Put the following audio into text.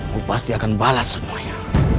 aku pasti akan balas semuanya